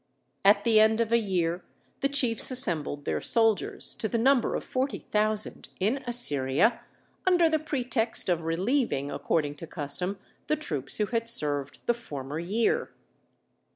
At the end of a year the chiefs assembled their soldiers, to the number of forty thousand, in Assyria, under the pretext of relieving, according to custom, the troops who had served the former year.